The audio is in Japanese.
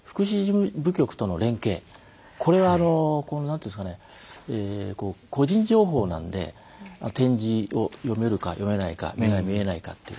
これは個人情報なので点字を読めるか読めないか目が見えないかっていう。